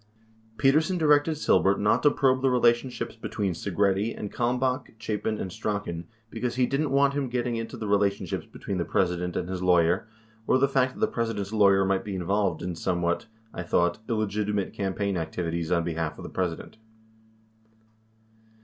43 Petersen directed Silbert not to probe the relationships between Segretti and Kalmbach, Chapin, and Strachan because he "didn't want him getting into the relationships between the President and his lawyer or the fact that the President's lawyer might be involved in somewhat, I thought, illegitimate campaign activities on behalf of the President."